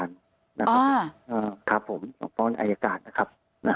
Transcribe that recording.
อ่าครับผมส่งฟ้องทางอายการนะครับ